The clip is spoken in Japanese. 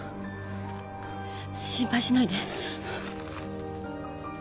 心配しないで。